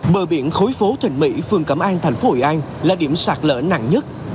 bờ biển khối phố thuận mỹ phương cẩm an thành phố hội an là điểm sạt lở nặng nhất